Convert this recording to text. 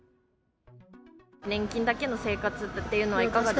年金だけの生活っていうのはいかがですか。